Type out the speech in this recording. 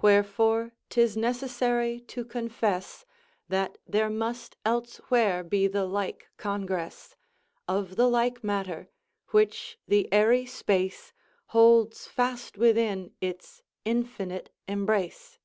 "Wherefore 'tis necessary to confess That there must elsewhere be the like congress Of the like matter, which the airy space Holds fast within its infinite embrace."